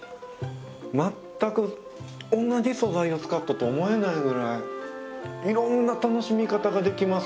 全く同じ素材を使ったとは思えないぐらいいろんな楽しみ方ができますね。